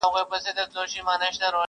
لکه پاڼه د خزان باد به مي یوسي!!